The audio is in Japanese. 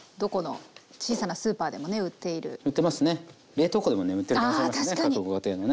冷凍庫でも眠ってる可能性ありますね。